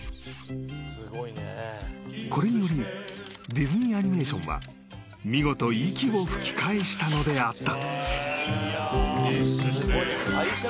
［これによりディズニー・アニメーションは見事息を吹き返したのであった］